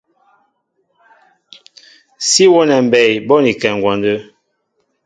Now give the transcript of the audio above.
Sí wónɛ mbey bónikɛ ŋgwɔndə́.